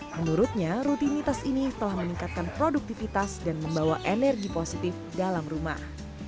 menurutnya rutinitas ini telah meningkatkan produktivitas dan membawa energi positif dalam rumah